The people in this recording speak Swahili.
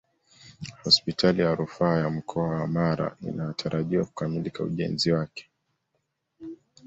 Hospitali ya rufaa ya mkoa wa mara inatarajiwa kukamilika ujenzi wake